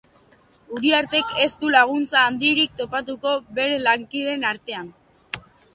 Uriartek ez du laguntza handirik topatuko bere lankideen artean.